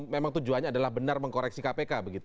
memang tujuannya adalah benar mengkoreksi kpk